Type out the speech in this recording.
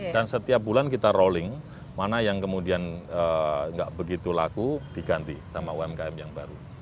dan setiap bulan kita rolling mana yang kemudian tidak begitu laku diganti sama umkm yang baru